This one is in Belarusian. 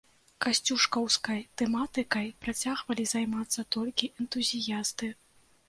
Касцюшкаўскай тэматыкай працягвалі займацца толькі энтузіясты.